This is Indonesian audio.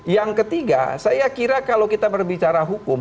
yang ketiga saya kira kalau kita berbicara hukum